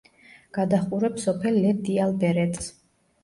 გადაჰყურებს სოფელ ლე–დიალბერეტს.